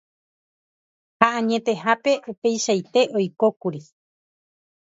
ha añetehápe upeichaite oikókuri.